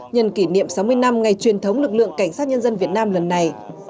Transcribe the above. nhân kỷ niệm sáu mươi năm ngày truyền thống lực lượng cảnh sát nhân dân việt nam lần này